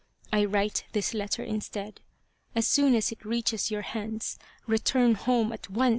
I write this letter instead. As soon as it reaches your hands return home at once.